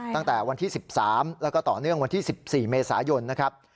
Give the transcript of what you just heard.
ตั้งแต่วันที่๑๓แล้วก็ต่อเนื่องวันที่๑๔เมษายนนะครับ